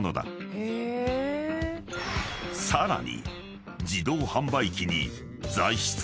［さらに］